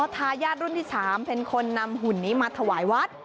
ทายาทรุ่นที่๓เป็นคนนำหุ่นนี้มาถวายวัด